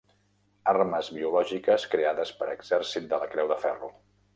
Armes biològiques creades per exèrcit de la Creu de Ferro.